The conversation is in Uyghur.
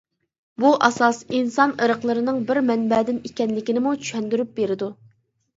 بۇ ئاساس ئىنسان ئىرقلىرىنىڭ بىر مەنبەدىن ئىكەنلىكىنىمۇ چۈشەندۈرۈپ بېرىدۇ.